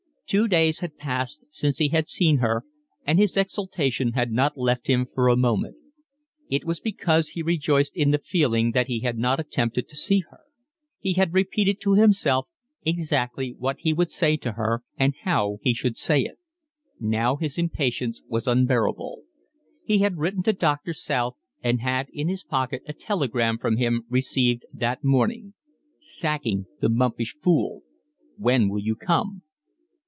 Two days had passed since he had seen her, and his exultation had not left him for a moment. It was because he rejoiced in the feeling that he had not attempted to see her. He had repeated to himself exactly what he would say to her and how he should say it. Now his impatience was unbearable. He had written to Doctor South and had in his pocket a telegram from him received that morning: "Sacking the mumpish fool. When will you come?"